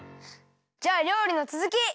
じゃありょうりのつづき！